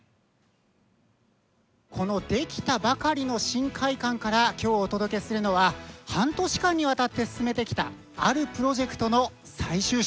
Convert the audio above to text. このできたばかりの新会館から今日お届けするのは半年間にわたって進めてきたあるプロジェクトの最終章です。